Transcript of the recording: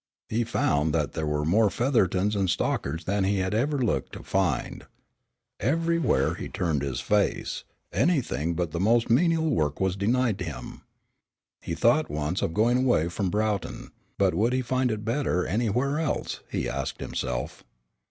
He found that there were more Feathertons and Stockards than he had ever looked to find. Everywhere that he turned his face, anything but the most menial work was denied him. He thought once of going away from Broughton, but would he find it any better anywhere else, he asked himself?